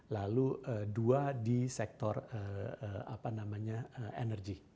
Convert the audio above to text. lalu dua di sektor apa namanya energy